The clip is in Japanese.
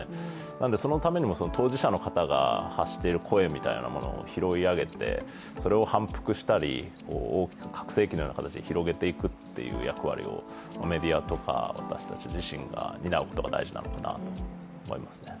なのでそのためにも当事者の方が発している声みたいなものを拾い上げてそれを反復したり、拡声機のような形で広げていくという役割をメディアとか私たち自身が担うことが大事なのかなと思いますね。